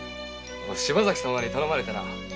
柴崎様に頼まれてな。